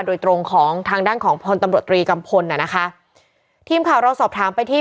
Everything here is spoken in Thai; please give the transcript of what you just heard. โดยตรงของทางด้านของพลตำรวจตรีกัมพลน่ะนะคะทีมข่าวเราสอบถามไปที่